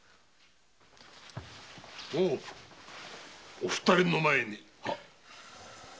お二人の前に。